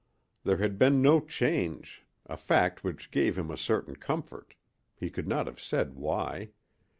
There had been no change, a fact which gave him a certain comfort, he could not have said why.